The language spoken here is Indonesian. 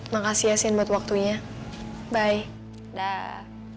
makasih ya sin buat waktunya bye da da